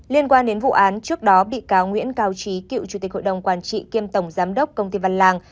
liên quan đến vụ án trước đó bị cáo nguyễn cao trí cựu chủ tịch hội đồng quản trị kiêm tổng giám đốc công ty văn lang